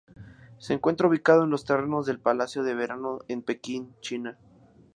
Se encuentra ubicado en los terrenos del Palacio de Verano en Pekín, China.